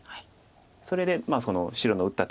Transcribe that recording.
それでその白の打った手が